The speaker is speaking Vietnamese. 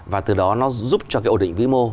và từ đó nó giúp cho cái ổn định vĩ mô